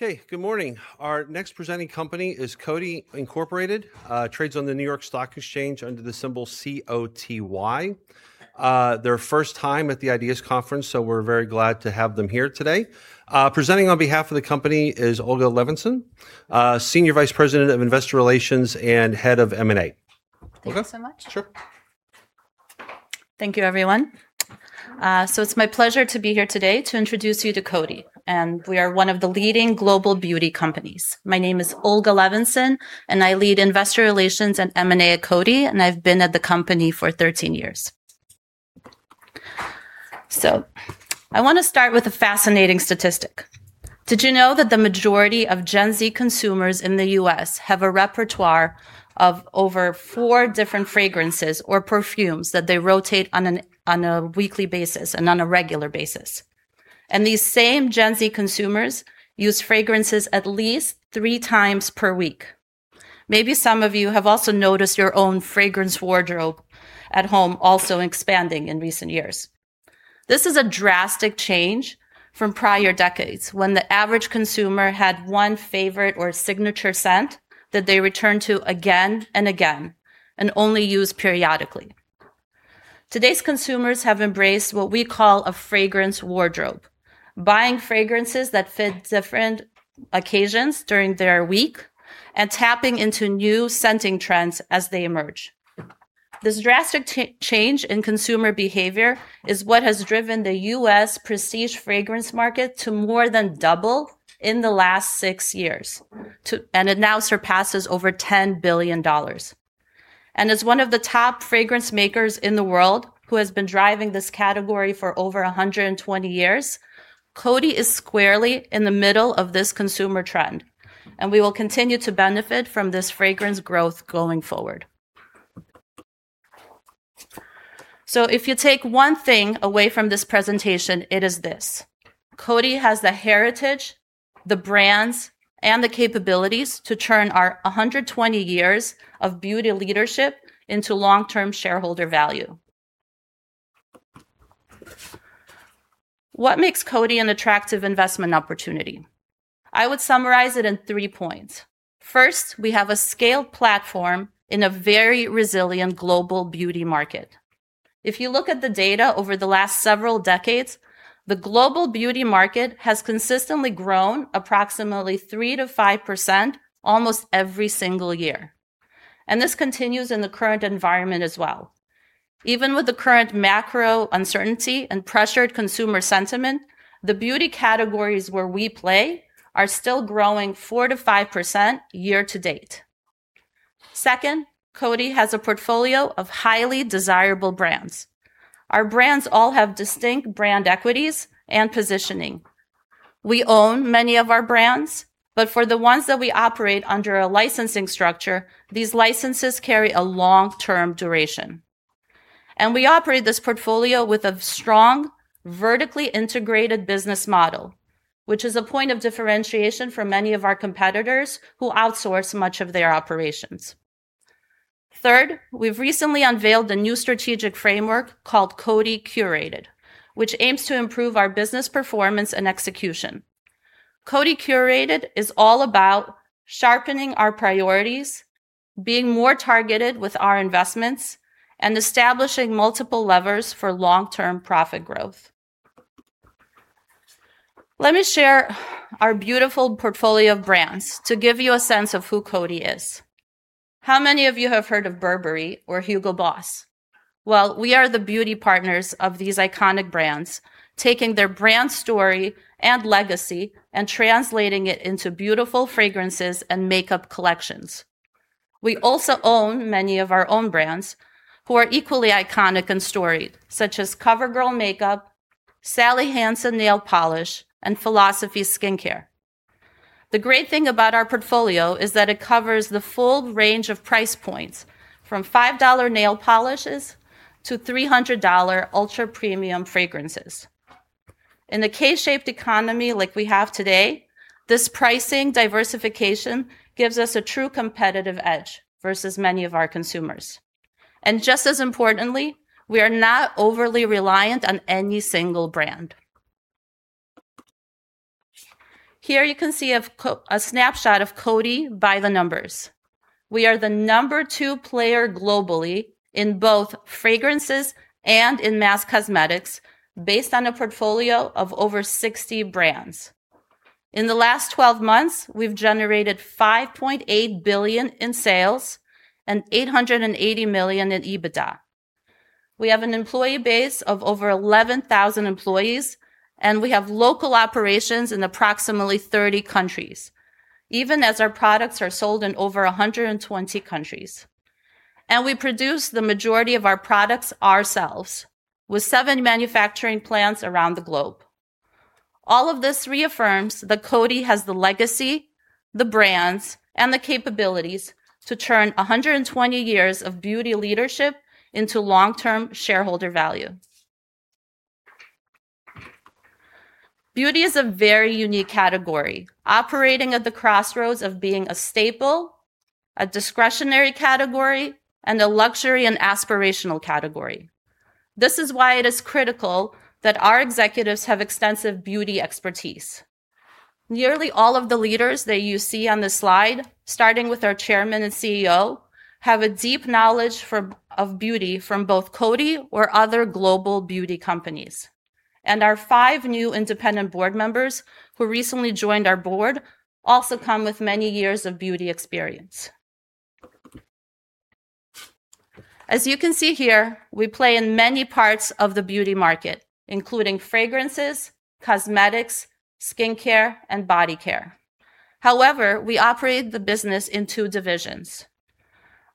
Okay, good morning. Our next presenting company is Coty Inc, trades on the New York Stock Exchange under the symbol C-O-T-Y. Their first time at the IDEAS Conference, we're very glad to have them here today. Presenting on behalf of the company is Olga Levinzon, Senior Vice President of Investor Relations and Head of M&A. Thank you so much. Olga. Sure. Thank you, everyone. It's my pleasure to be here today to introduce you to Coty, and we are one of the leading global beauty companies. My name is Olga Levinzon, and I lead Investor Relations and M&A at Coty, and I've been at the company for 13 years. I want to start with a fascinating statistic. Did you know that the majority of Gen Z consumers in the U.S. have a repertoire of over four different fragrances or perfumes that they rotate on a weekly basis and on a regular basis? These same Gen Z consumers use fragrances at least three times per week. Maybe some of you have also noticed your own fragrance wardrobe at home also expanding in recent years. This is a drastic change from prior decades when the average consumer had one favorite or signature scent that they returned to again and again and only used periodically. Today's consumers have embraced what we call a fragrance wardrobe, buying fragrances that fit different occasions during their week and tapping into new scenting trends as they emerge. This drastic change in consumer behavior is what has driven the U.S. prestige fragrance market to more than double in the last six years, and it now surpasses over $10 billion. As one of the top fragrance makers in the world who has been driving this category for over 120 years, Coty is squarely in the middle of this consumer trend, and we will continue to benefit from this fragrance growth going forward. If you take one thing away from this presentation, it is this: Coty has the heritage, the brands, and the capabilities to turn our 120 years of beauty leadership into long-term shareholder value. What makes Coty an attractive investment opportunity? I would summarize it in three points. First, we have a scaled platform in a very resilient global beauty market. If you look at the data over the last several decades, the global beauty market has consistently grown approximately 3%-5% almost every single year, and this continues in the current environment as well. Even with the current macro uncertainty and pressured consumer sentiment, the beauty categories where we play are still growing 4%-5% year to date. Second, Coty has a portfolio of highly desirable brands. Our brands all have distinct brand equities and positioning. We own many of our brands, but for the ones that we operate under a licensing structure, these licenses carry a long-term duration. We operate this portfolio with a strong, vertically integrated business model, which is a point of differentiation for many of our competitors who outsource much of their operations. Third, we've recently unveiled a new strategic framework called Coty Curated, which aims to improve our business performance and execution. Coty Curated is all about sharpening our priorities, being more targeted with our investments, and establishing multiple levers for long-term profit growth. Let me share our beautiful portfolio of brands to give you a sense of who Coty is. How many of you have heard of Burberry or Hugo Boss? Well, we are the beauty partners of these iconic brands, taking their brand story and legacy and translating it into beautiful fragrances and makeup collections. We also own many of our own brands who are equally iconic and storied, such as COVERGIRL Makeup, Sally Hansen Nail Polish, and philosophy Skincare. The great thing about our portfolio is that it covers the full range of price points, from $5 nail polishes to $300 ultra-premium fragrances. In a K-shaped economy like we have today, this pricing diversification gives us a true competitive edge versus many of our consumers. Just as importantly, we are not overly reliant on any single brand. Here, you can see a snapshot of Coty by the numbers. We are the number two player globally in both fragrances and in mass cosmetics, based on a portfolio of over 60 brands. In the last 12 months, we've generated $5.8 billion in sales and $880 million in EBITDA. We have an employee base of over 11,000 employees, and we have local operations in approximately 30 countries, even as our products are sold in over 120 countries. We produce the majority of our products ourselves, with seven manufacturing plants around the globe. All of this reaffirms that Coty has the legacy, the brands, and the capabilities to turn 120 years of beauty leadership into long-term shareholder value. Beauty is a very unique category, operating at the crossroads of being a staple, a discretionary category, and a luxury and aspirational category. This is why it is critical that our executives have extensive beauty expertise. Nearly all of the leaders that you see on this slide, starting with our Chairman and CEO, have a deep knowledge of beauty from both Coty or other global beauty companies. Our five new independent board members who recently joined our board, also come with many years of beauty experience. As you can see here, we play in many parts of the beauty market, including fragrances, cosmetics, skincare, and body care. However, we operate the business in two divisions.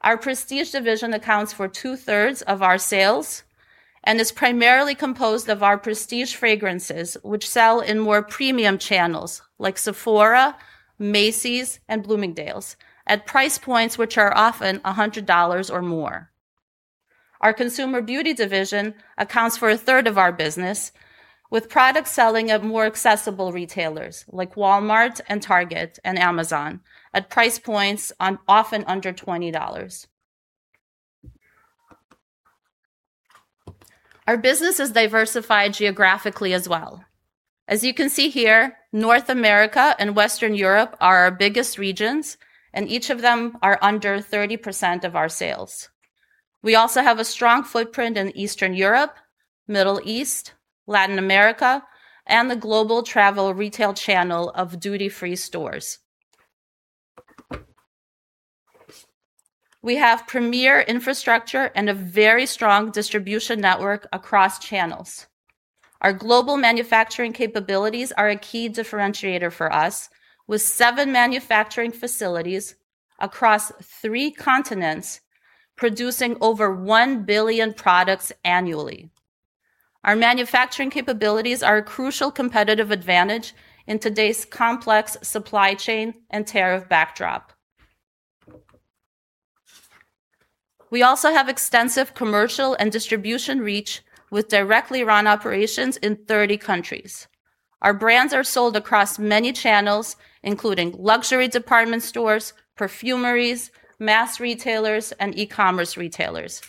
Our prestige division accounts for 2/3 of our sales and is primarily composed of our prestige fragrances, which sell in more premium channels like Sephora, Macy's, and Bloomingdale's, at price points which are often $100 or more. Our consumer beauty division accounts for 1/3 of our business, with products selling at more accessible retailers like Walmart and Target, and Amazon, at price points often under $20. Our business is diversified geographically as well. As you can see here, North America and Western Europe are our biggest regions, and each of them are under 30% of our sales. We also have a strong footprint in Eastern Europe, Middle East, Latin America, and the global travel retail channel of duty-free stores. We have premier infrastructure and a very strong distribution network across channels. Our global manufacturing capabilities are a key differentiator for us, with seven manufacturing facilities across three continents, producing over 1 billion products annually. Our manufacturing capabilities are a crucial competitive advantage in today's complex supply chain and tariff backdrop. We also have extensive commercial and distribution reach with directly run operations in 30 countries. Our brands are sold across many channels, including luxury department stores, perfumeries, mass retailers, and e-commerce retailers,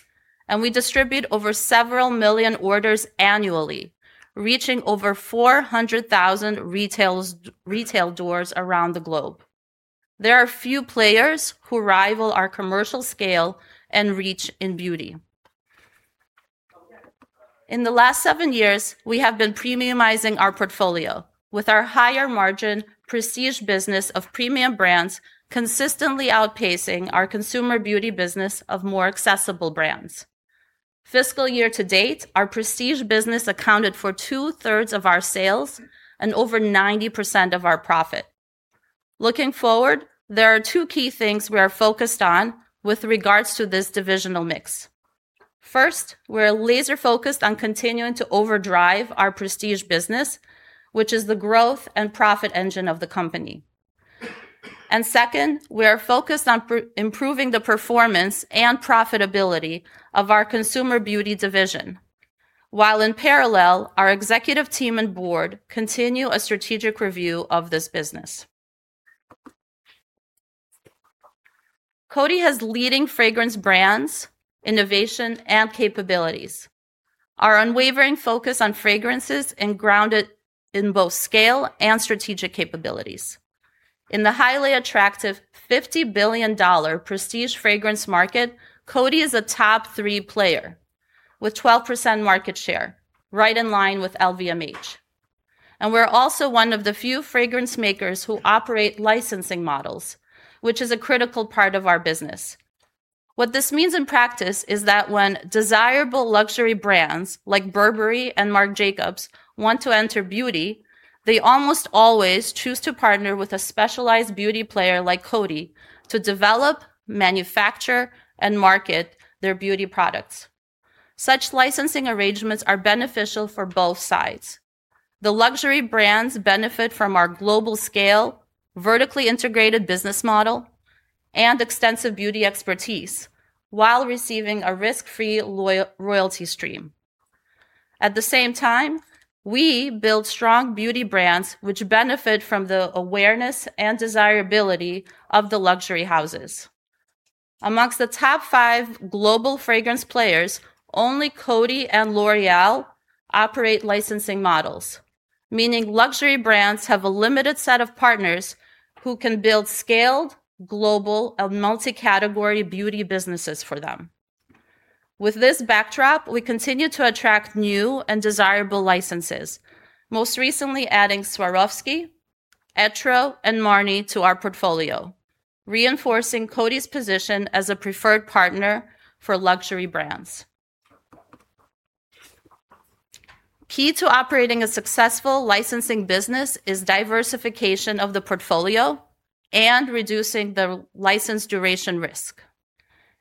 and we distribute over several million orders annually, reaching over 400,000 retail doors around the globe. There are few players who rival our commercial scale and reach in beauty. In the last seven years, we have been premiumizing our portfolio with our higher-margin prestige business of premium brands consistently outpacing our consumer beauty business of more accessible brands. Fiscal year to date, our prestige business accounted for 2/3 of our sales and over 90% of our profit. Looking forward, there are two key things we are focused on with regards to this divisional mix. First, we're laser-focused on continuing to overdrive our prestige business, which is the growth and profit engine of the company. Second, we are focused on improving the performance and profitability of our consumer beauty division, while in parallel, our executive team and board continue a strategic review of this business. Coty has leading fragrance brands, innovation, and capabilities. Our unwavering focus on fragrances is grounded in both scale and strategic capabilities. In the highly attractive $50 billion prestige fragrance market, Coty is a top-three player with 12% market share, right in line with LVMH. We're also one of the few fragrance makers who operate licensing models, which is a critical part of our business. What this means in practice is that when desirable luxury brands like Burberry and Marc Jacobs want to enter beauty, they almost always choose to partner with a specialized beauty player like Coty to develop, manufacture, and market their beauty products. Such licensing arrangements are beneficial for both sides. The luxury brands benefit from our global scale, vertically integrated business model, and extensive beauty expertise while receiving a risk-free royalty stream. At the same time, we build strong beauty brands which benefit from the awareness and desirability of the luxury houses. Amongst the top five global fragrance players, only Coty and L'Oréal operate licensing models, meaning luxury brands have a limited set of partners who can build scaled, global, and multi-category beauty businesses for them. With this backdrop, we continue to attract new and desirable licenses, most recently adding Swarovski, Etro, and Marni to our portfolio, reinforcing Coty's position as a preferred partner for luxury brands. Key to operating a successful licensing business is diversification of the portfolio and reducing the license duration risk.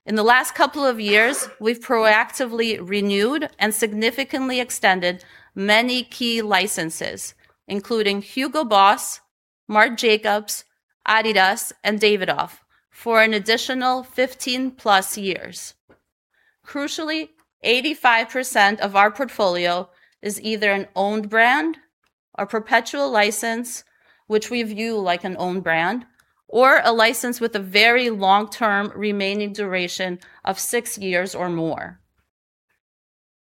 In the last couple of years, we've proactively renewed and significantly extended many key licenses, including Hugo Boss, Marc Jacobs, adidas, and Davidoff, for an additional 15+ years. Crucially, 85% of our portfolio is either an owned brand, a perpetual license, which we view like an owned brand, or a license with a very long-term remaining duration of six years or more.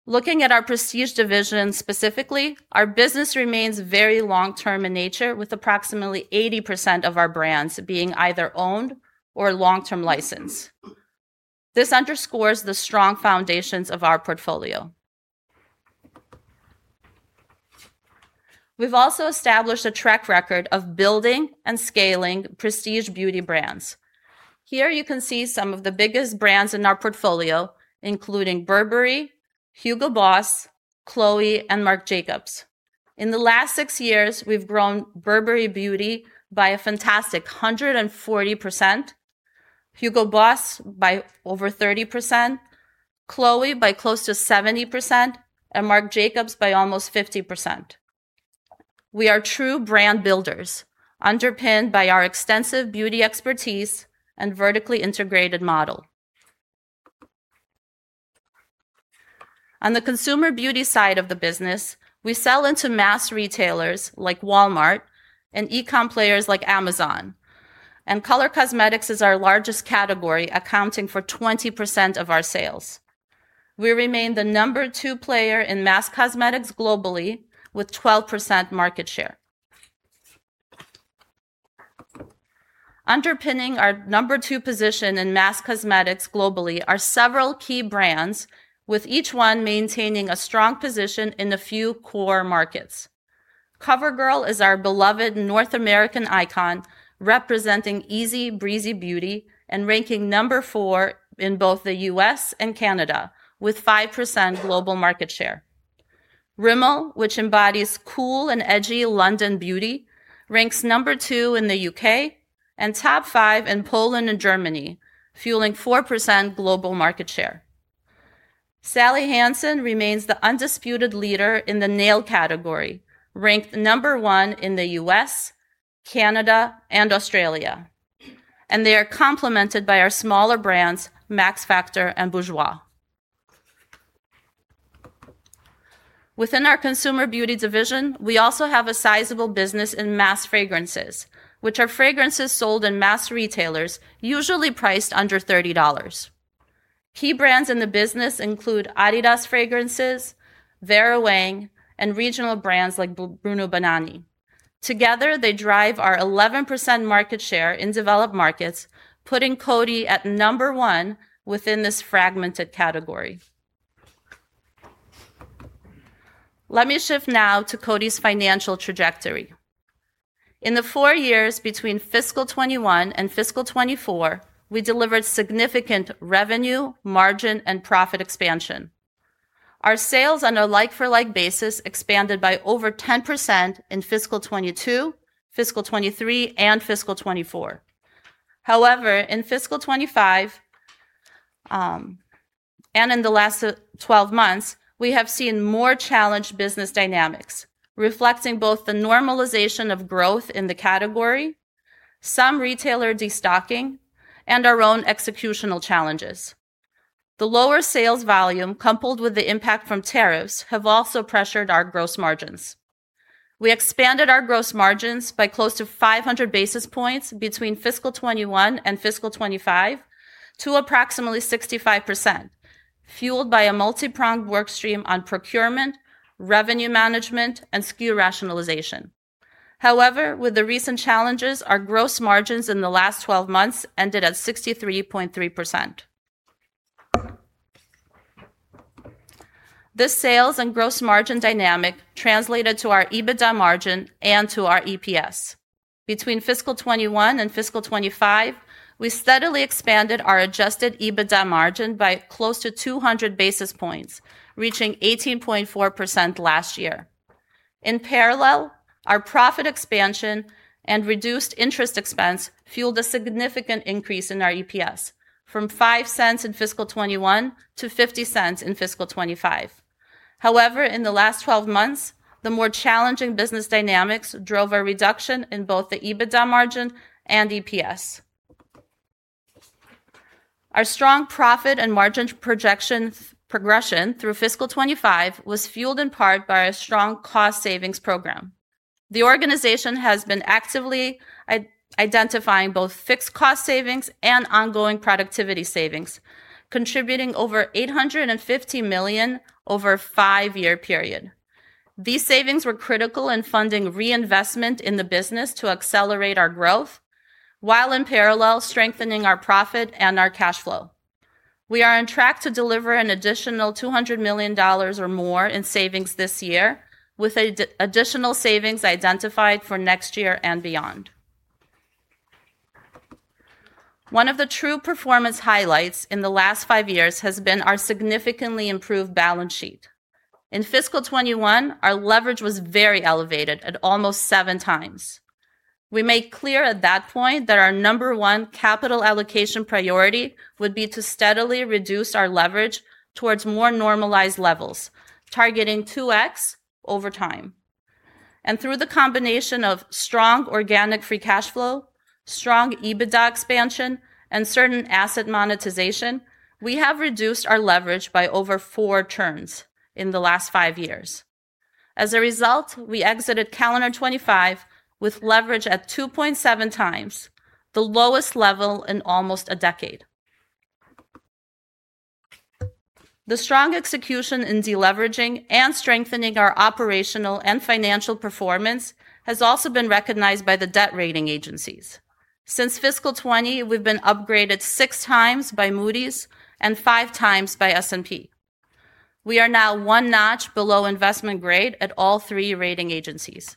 Looking at our prestige division specifically, our business remains very long-term in nature, with approximately 80% of our brands being either owned or long-term license. This underscores the strong foundations of our portfolio. We've also established a track record of building and scaling prestige beauty brands. Here you can see some of the biggest brands in our portfolio, including Burberry, Hugo Boss, Chloé, and Marc Jacobs. In the last six years, we've grown Burberry Beauty by a fantastic 140%, Hugo Boss by over 30%, Chloé by close to 70%, and Marc Jacobs by almost 50%. We are true brand builders, underpinned by our extensive beauty expertise and vertically integrated model. On the consumer beauty side of the business, we sell into mass retailers like Walmart and e-com players like Amazon, and color cosmetics is our largest category, accounting for 20% of our sales. We remain the number two player in mass cosmetics globally, with 12% market share. Underpinning our number two position in mass cosmetics globally are several key brands, with each one maintaining a strong position in a few core markets. COVERGIRL is our beloved North American icon, representing easy, breezy beauty, and ranking number four in both the U.S. and Canada, with 5% global market share. Rimmel, which embodies cool and edgy London beauty, ranks number two in the U.K. and top five in Poland and Germany, fueling 4% global market share. Sally Hansen remains the undisputed leader in the nail category, ranked number one in the U.S., Canada, and Australia, and they are complemented by our smaller brands, Max Factor and Bourjois. Within our consumer beauty division, we also have a sizable business in mass fragrances, which are fragrances sold in mass retailers, usually priced under $30. Key brands in the business include adidas fragrances, Vera Wang, and regional brands like bruno banani. Together, they drive our 11% market share in developed markets, putting Coty at number one within this fragmented category. Let me shift now to Coty's financial trajectory. In the four years between fiscal 2021 and fiscal 2024, we delivered significant revenue, margin, and profit expansion. Our sales on a like-for-like basis expanded by over 10% in fiscal 2022, fiscal 2023, and fiscal 2024. However, in fiscal 2025, and in the last 12 months, we have seen more challenged business dynamics, reflecting both the normalization of growth in the category, some retailer destocking, and our own executional challenges. The lower sales volume, coupled with the impact from tariffs, have also pressured our gross margins. We expanded our gross margins by close to 500 basis points between fiscal 2021 and fiscal 2025 to approximately 65%, fueled by a multi-pronged workstream on procurement, revenue management, and SKU rationalization. However, with the recent challenges, our gross margins in the last 12 months ended at 63.3%. This sales and gross margin dynamic translated to our EBITDA margin and to our EPS. Between fiscal 2021 and fiscal 2025, we steadily expanded our adjusted EBITDA margin by close to 200 basis points, reaching 18.4% last year. In parallel, our profit expansion and reduced interest expense fueled a significant increase in our EPS from $0.05 in fiscal 2021 to $0.50 in fiscal 2025. However, in the last 12 months, the more challenging business dynamics drove a reduction in both the EBITDA margin and EPS. Our strong profit and margin progression through fiscal 2025 was fueled in part by a strong cost savings program. The organization has been actively identifying both fixed cost savings and ongoing productivity savings, contributing over $850 million over a five-year period. These savings were critical in funding reinvestment in the business to accelerate our growth, while in parallel strengthening our profit and our cash flow. We are on track to deliver an additional $200 million or more in savings this year, with additional savings identified for next year and beyond. One of the true performance highlights in the last five years has been our significantly improved balance sheet. In fiscal 2021, our leverage was very elevated at almost 7x. We made clear at that point that our number one capital allocation priority would be to steadily reduce our leverage towards more normalized levels, targeting 2x over time. Through the combination of strong organic free cash flow, strong EBITDA expansion and certain asset monetization, we have reduced our leverage by over four turns in the last five years. As a result, we exited calendar 2025 with leverage at 2.7x, the lowest level in almost a decade. The strong execution in deleveraging and strengthening our operational and financial performance has also been recognized by the debt rating agencies. Since fiscal 2020, we've been upgraded six times by Moody's and five times by S&P. We are now one notch below investment grade at all three rating agencies.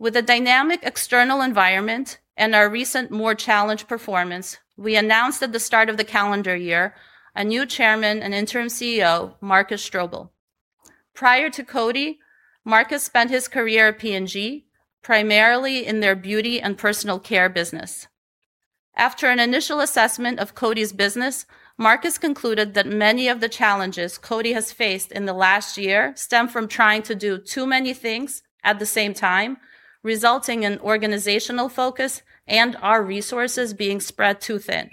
With a dynamic external environment and our recent more challenged performance, we announced at the start of the calendar year, a new chairman and interim CEO, Markus Strobel. Prior to Coty, Markus spent his career at P&G, primarily in their beauty and personal care business. After an initial assessment of Coty's business, Markus concluded that many of the challenges Coty has faced in the last year stem from trying to do too many things at the same time, resulting in organizational focus and our resources being spread too thin.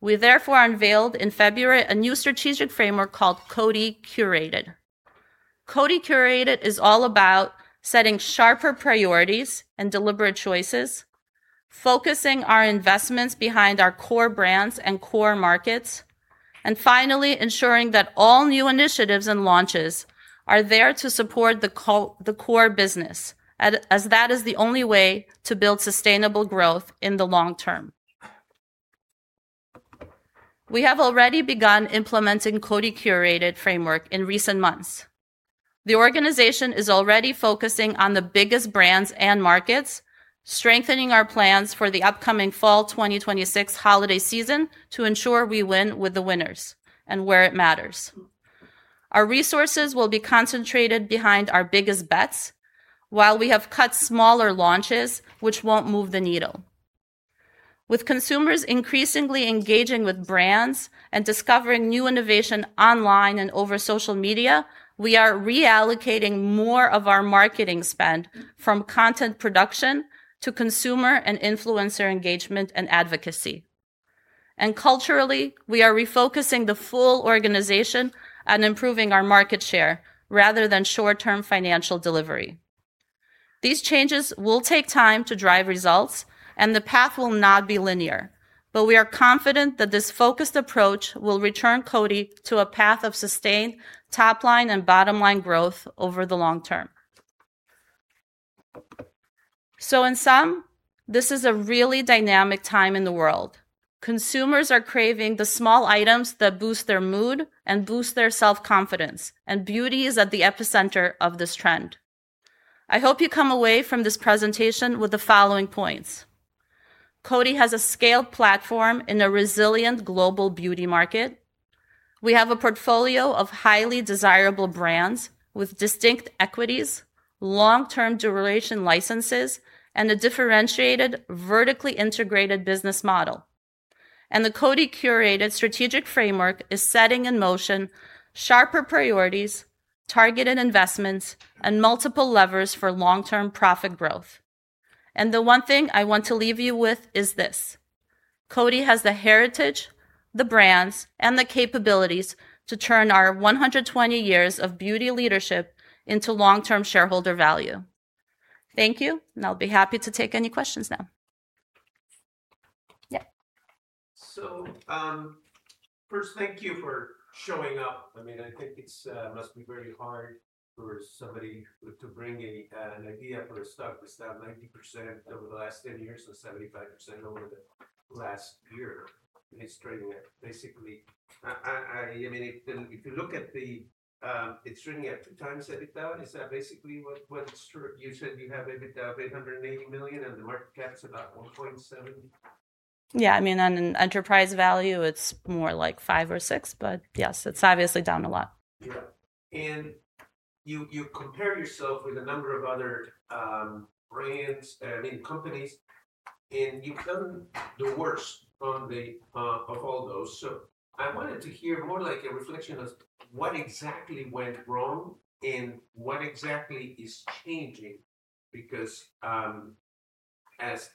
We therefore unveiled in February a new strategic framework called Coty Curated. Coty Curated is all about setting sharper priorities and deliberate choices, focusing our investments behind our core brands and core markets, and finally ensuring that all new initiatives and launches are there to support the core business, as that is the only way to build sustainable growth in the long term. We have already begun implementing Coty Curated framework in recent months. The organization is already focusing on the biggest brands and markets, strengthening our plans for the upcoming fall 2026 holiday season to ensure we win with the winners and where it matters. Our resources will be concentrated behind our biggest bets while we have cut smaller launches, which won't move the needle. With consumers increasingly engaging with brands and discovering new innovation online and over social media, we are reallocating more of our marketing spend from content production to consumer and influencer engagement and advocacy. Culturally, we are refocusing the full organization on improving our market share rather than short-term financial delivery. These changes will take time to drive results, and the path will not be linear, but we are confident that this focused approach will return Coty to a path of sustained top-line and bottom-line growth over the long term. In sum, this is a really dynamic time in the world. Consumers are craving the small items that boost their mood and boost their self-confidence, and beauty is at the epicenter of this trend. I hope you come away from this presentation with the following points. Coty has a scaled platform in a resilient global beauty market. We have a portfolio of highly desirable brands with distinct equities, long-term duration licenses, and a differentiated, vertically integrated business model. The Coty Curated strategic framework is setting in motion sharper priorities, targeted investments, and multiple levers for long-term profit growth. The one thing I want to leave you with is this, Coty has the heritage, the brands, and the capabilities to turn our 120 years of beauty leadership into long-term shareholder value. Thank you, and I'll be happy to take any questions now. Yeah. First, thank you for showing up. I think it must be very hard for somebody to bring an idea for a stock that's down 90% over the last 10 years or 75% over the last year. It's trading at 2x EBITDA. Is that basically what's true? You said you have EBITDA of $880 million and the market cap's about $1.7. On enterprise value, it's more like five or six, but yes, it's obviously down a lot. You compare yourself with a number of other companies, and you've come the worst of all those. I wanted to hear more like a reflection of what exactly went wrong and what exactly is changing, because, as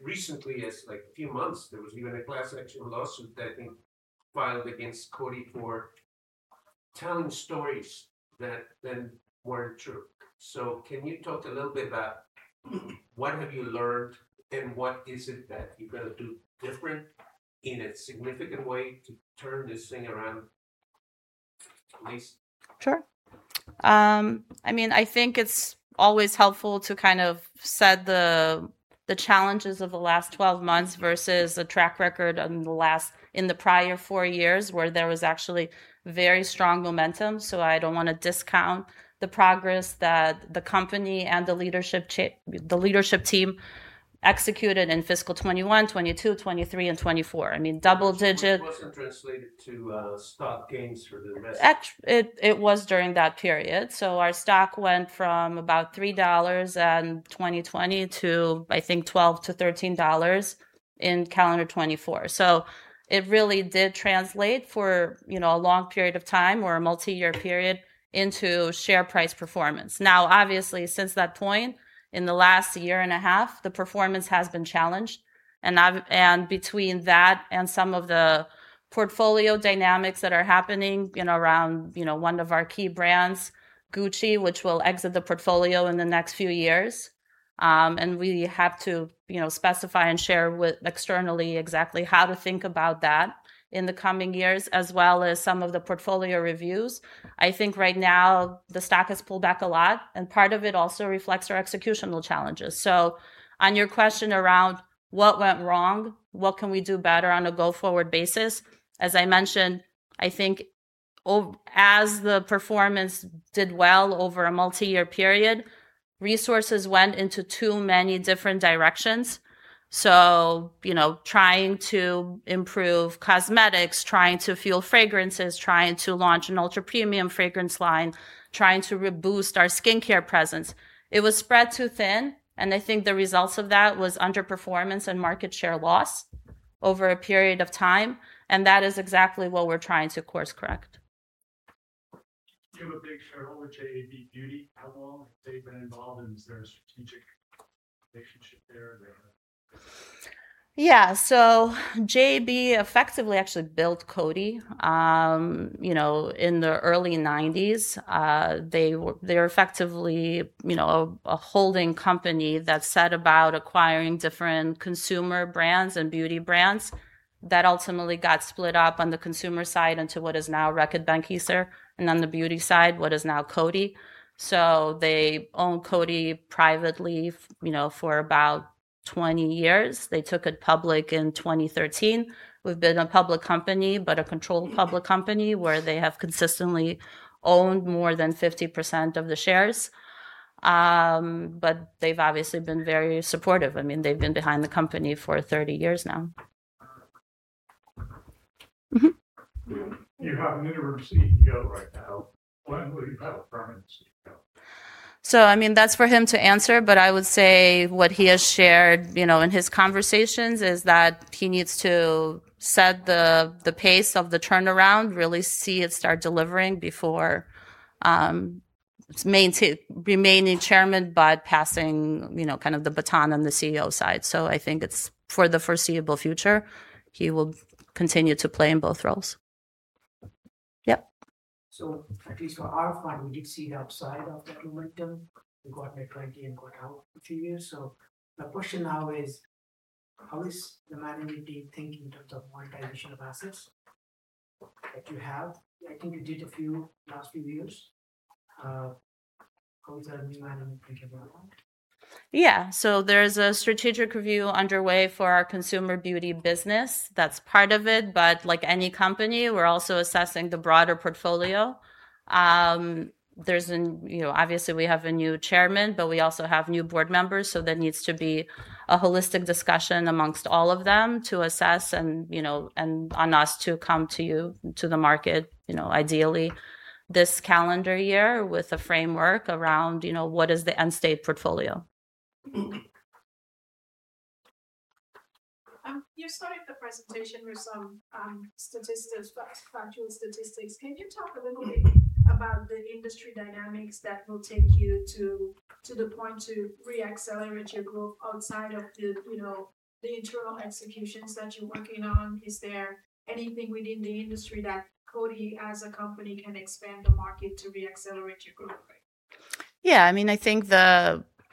recently as a few months, there was even a class action lawsuit I think filed against Coty for telling stories that then weren't true. Can you talk a little bit about what have you learned, and what is it that you're going to do different in a significant way to turn this thing around, please? Sure. I think it's always helpful to kind of set the challenges of the last 12 months versus a track record in the prior four years where there was actually very strong momentum. I don't want to discount the progress that the company and the leadership team executed in fiscal 2021, 2022, 2023, and 2024. Which wasn't translated to stock gains for the investors. It was during that period. Our stock went from about $3 in 2020 to I think $12-$13 in calendar 2024. It really did translate for a long period of time or a multi-year period into share price performance. Obviously, since that point, in the last year and a half, the performance has been challenged, and between that and some of the portfolio dynamics that are happening around one of our key brands, Gucci, which will exit the portfolio in the next few years. We have to specify and share externally exactly how to think about that in the coming years, as well as some of the portfolio reviews. I think right now the stock has pulled back a lot, and part of it also reflects our executional challenges. On your question around what went wrong, what can we do better on a go-forward basis, as I mentioned, I think as the performance did well over a multi-year period, resources went into too many different directions. Trying to improve cosmetics, trying to fuel fragrances, trying to launch an ultra-premium fragrance line, trying to reboost our skincare presence. It was spread too thin, and I think the results of that was underperformance and market share loss over a period of time. That is exactly what we're trying to course-correct. You have a big shareholder, JAB Beauty. How long have they been involved, and is there a strategic relationship there? Yeah. JAB effectively actually built Coty in the early 1990s. They're effectively a holding company that set about acquiring different consumer brands and beauty brands that ultimately got split up on the consumer side into what is now Reckitt Benckiser, and on the beauty side, what is now Coty. They owned Coty privately for about 20 years. They took it public in 2013. We've been a public company, but a controlled public company where they have consistently owned more than 50% of the shares. They've obviously been very supportive. They've been behind the company for 30 years now. You have an interim CEO right now. When will you have a permanent CEO? That's for him to answer, but I would say what he has shared in his conversations is that he needs to set the pace of the turnaround, really see it start delivering before remaining Chairman, but passing the baton on the CEO side. I think it's for the foreseeable future, he will continue to play in both roles. Yep. At least for our fund, we did see upside of the momentum. We got net $20 and got out a few years. The question now is, how is the management team thinking in terms of monetization of assets that you have? I think you did a few last few years. How is the new management thinking about that? Yeah. There's a strategic review underway for our Consumer Beauty Business. That's part of it. Like any company, we're also assessing the broader portfolio. Obviously, we have a new Chairman, we also have new board members, there needs to be a holistic discussion amongst all of them to assess and on us to come to you, to the market, ideally this calendar year, with a framework around what is the end-state portfolio. You started the presentation with some statistics, factual statistics. Can you talk a little bit about the industry dynamics that will take you to the point to re-accelerate your growth outside of the internal executions that you're working on? Is there anything within the industry that Coty, as a company, can expand the market to re-accelerate your growth? Yeah, I think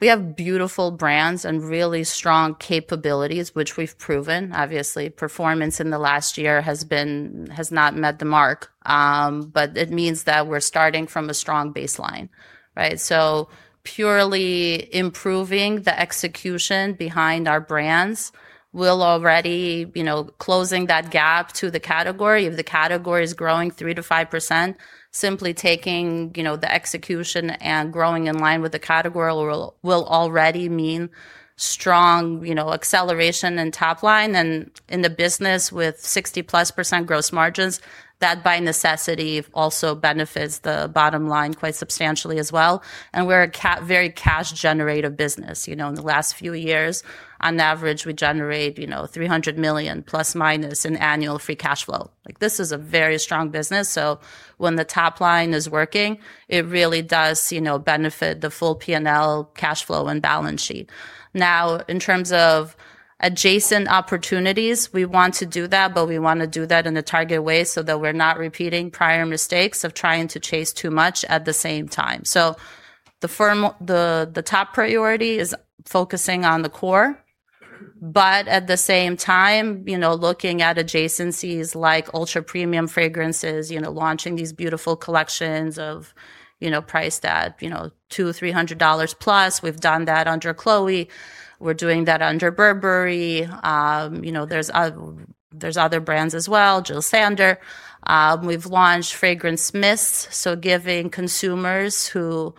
we have beautiful brands and really strong capabilities, which we've proven. Obviously, performance in the last year has not met the mark, but it means that we're starting from a strong baseline, right? Purely improving the execution behind our brands will already be closing that gap to the category. If the category is growing 3%-5%, simply taking the execution and growing in line with the category will already mean strong acceleration in top line. In the business with 60%+ gross margins, that by necessity also benefits the bottom line quite substantially as well. We're a very cash-generative business. In the last few years, on average, we generate $300 million plus minus in annual free cash flow. This is a very strong business, so when the top line is working, it really does benefit the full P&L cash flow and balance sheet. In terms of adjacent opportunities, we want to do that, but we want to do that in a targeted way so that we're not repeating prior mistakes of trying to chase too much at the same time. The top priority is focusing on the core, but at the same time, looking at adjacencies like ultra-premium fragrances, launching these beautiful collections priced at $200, $300+. We've done that under Chloé. We're doing that under Burberry. There's other brands as well, Jil Sander. We've launched fragrance mists, so giving consumers who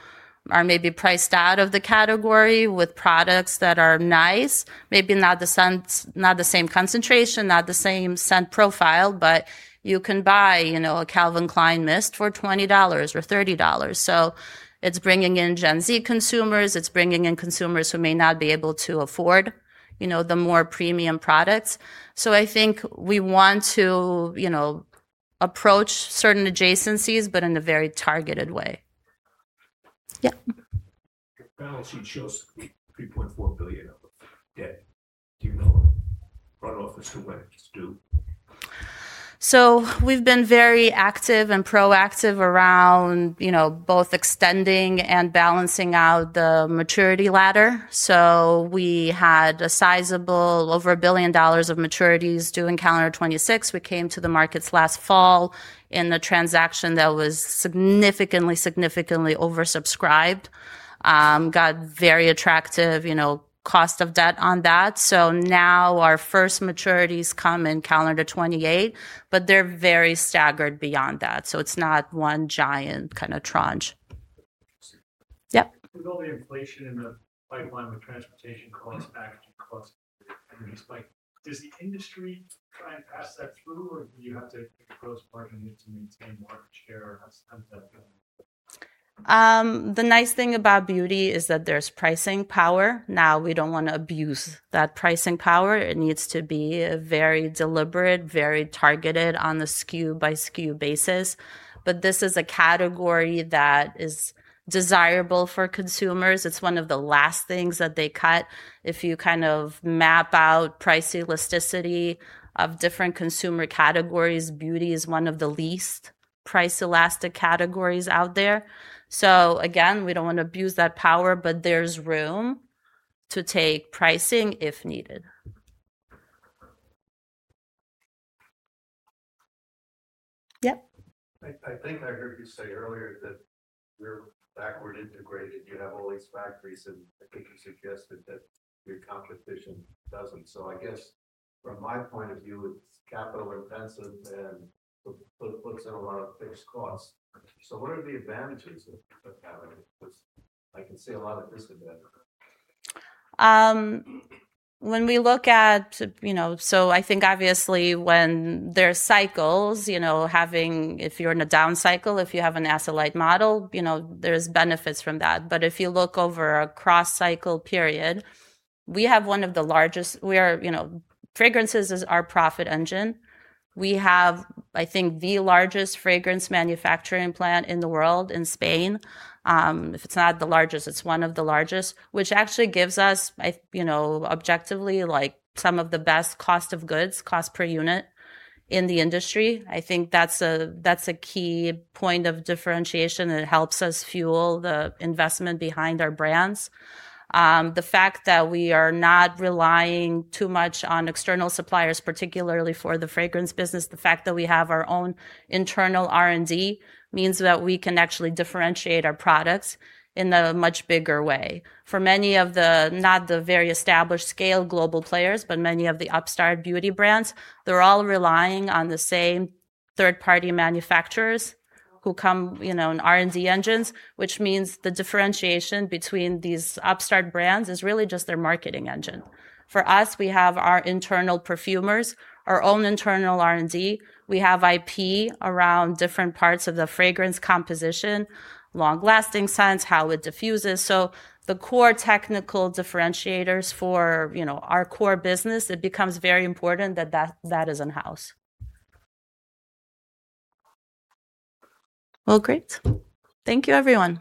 are maybe priced out of the category with products that are nice, maybe not the same concentration, not the same scent profile, but you can buy a Calvin Klein mist for $20 or $30. It's bringing in Gen Z consumers, it's bringing in consumers who may not be able to afford the more premium products. I think we want to approach certain adjacencies, but in a very targeted way. Yep. Your balance sheet shows $3.4 billion of debt. Do you know when runoff is due? We've been very active and proactive around both extending and balancing out the maturity ladder. We had a sizable, over $1 billion of maturities due in calendar 2026. We came to the markets last fall in a transaction that was significantly oversubscribed, got very attractive cost of debt on that. Now our first maturities come in calendar 2028, but they're very staggered beyond that. It's not one giant tranche. Yep. With all the inflation in the pipeline with transportation costs, packaging costs. Does the industry try and pass that through, or do you have to take the gross margin hit to maintain market share? How does that go? The nice thing about beauty is that there's pricing power. Now, we don't want to abuse that pricing power. It needs to be very deliberate, very targeted on the SKU-by-SKU basis. This is a category that is desirable for consumers. It's one of the last things that they cut. If you map out price elasticity of different consumer categories, beauty is one of the least price elastic categories out there. Again, we don't want to abuse that power, but there's room to take pricing if needed. Yep. I think I heard you say earlier that you're backward integrated. You have all these factories, and I think you suggested that your competition doesn't. I guess from my point of view, it's capital intensive and puts in a lot of fixed costs. What are the advantages of having it? Because I can see a lot of disadvantages. I think obviously when there's cycles, if you're in a down cycle, if you have an asset-light model, there's benefits from that. If you look over a cross-cycle period, fragrances is our profit engine. We have, I think, the largest fragrance manufacturing plant in the world in Spain. If it's not the largest, it's one of the largest, which actually gives us, objectively, some of the best cost of goods, cost per unit in the industry. I think that's a key point of differentiation, and it helps us fuel the investment behind our brands. The fact that we are not relying too much on external suppliers, particularly for the fragrance business, the fact that we have our own internal R&D, means that we can actually differentiate our products in a much bigger way. For many of the not the very established scale global players, but many of the upstart beauty brands, they're all relying on the same third-party manufacturers who come in R&D engines, which means the differentiation between these upstart brands is really just their marketing engine. For us, we have our internal perfumers, our own internal R&D. We have IP around different parts of the fragrance composition, long-lasting scents, how it diffuses. The core technical differentiators for our core business, it becomes very important that that is in-house. Well, great. Thank you, everyone.